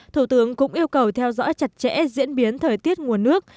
thủ tướng cũng yêu cầu theo dõi chặt chẽ diễn biến thời tiết nguồn nước